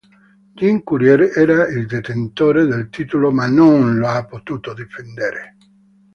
Jim Courier era il detentore del titolo ma non l'ha potuto difendere.